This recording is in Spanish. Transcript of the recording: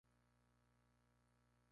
Su mayor triunfo fue sobre el sembrado No.